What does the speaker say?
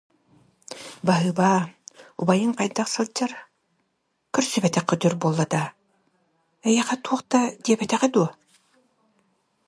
Баһыыба, убайыҥ хайдах сылдьар, көрсүбэтэххит өр буолла даа, эйиэхэ туох да диэбэтэҕэ дуо